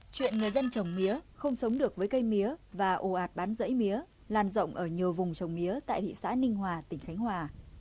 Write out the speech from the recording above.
chuyện người dân trồng mía không sống được với cây mía và ồ ạt bán rẫy mía lan rộng ở nhiều vùng trồng mía tại thị xã ninh hòa tỉnh khánh hòa